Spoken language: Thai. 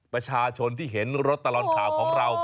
ประชาชนที่เห็นรถตลอดข่าวของเรา